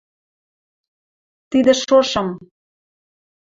тидӹ шошым